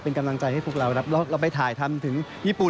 เป็นกำลังใจให้พวกเราครับเราไปถ่ายทำถึงญี่ปุ่น